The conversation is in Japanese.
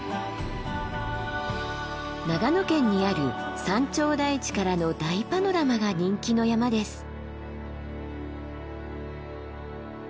長野県にある山頂台地からの大パノラマが人気の山です。